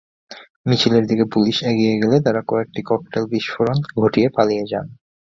মিছিলের দিকে পুলিশ এগিয়ে গেলে তাঁরা কয়েকটি ককটেল বিস্ফোরণ ঘটিয়ে পালিয়ে যান।